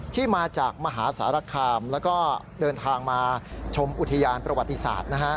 ที่มาจากมหาสารคามแล้วก็เดินทางมาชมอุทยานประวัติศาสตร์นะฮะ